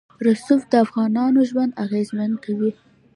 رسوب د افغانانو ژوند اغېزمن کوي.